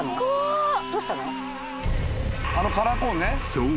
［そう。